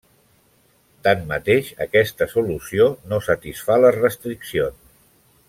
Tanmateix, aquesta solució no satisfà les restriccions.